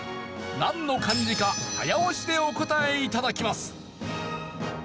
なんの漢字か早押しでお答え頂きます。